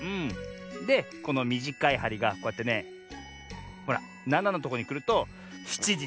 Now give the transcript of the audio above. でこのみじかいはりがこうやってねほら７のとこにくると７じちょうどってわけよ。